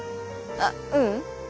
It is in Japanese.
あっううん